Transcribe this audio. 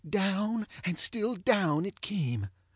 Down and still down, it came.